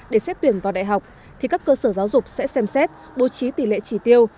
để xét tuyển vào đại học thì các cơ sở giáo dục sẽ xem xét bố trí tỷ lệ chỉ tiêu